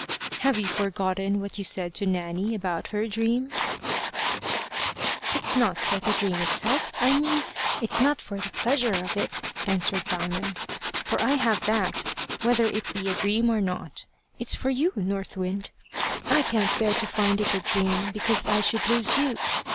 "Have you forgotten what you said to Nanny about her dream?" "It's not for the dream itself I mean, it's not for the pleasure of it," answered Diamond, "for I have that, whether it be a dream or not; it's for you, North Wind; I can't bear to find it a dream, because then I should lose you.